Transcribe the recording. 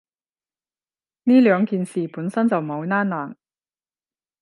呢兩件事本身就冇拏褦